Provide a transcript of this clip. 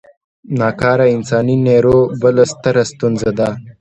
نا کاره انساني نیرو بله ستره ستونزه ده.